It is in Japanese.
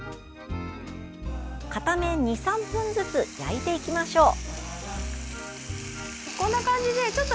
片面２３分ずつ焼いていきましょう。